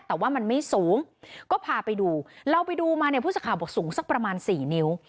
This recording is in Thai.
แต่ว่ามันไม่สูงก็พาไปดูเราไปดูมาเนี่ยผู้สื่อข่าวบอกสูงสักประมาณ๔นิ้ว